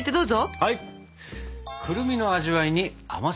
はい！